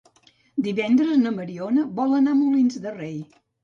Divendres na Mariona vol anar a Molins de Rei.